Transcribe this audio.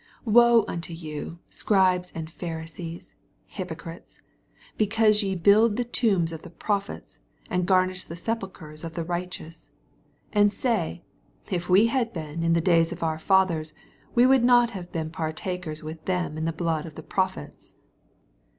29 Woe unto you. Scribes and Pharisees, hypocrites! because ye build the tombs of the prophets, and garnish the sepulchres of the right eous, 80 And say, If we had been in the days of our fathers, we would not have been partakers with them in the blood of the prophets.